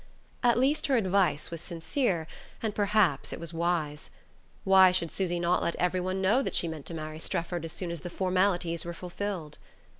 At least her advice was sincere; and perhaps it was wise. Why should Susy not let every one know that she meant to marry Strefford as soon as the "formalities" were fulfilled?